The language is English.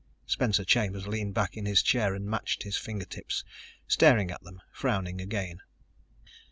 Spencer Chambers leaned back in his chair and matched his fingertips, staring at them, frowning again.